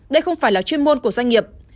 đây không phải là chuyên môn của doanh nghiệp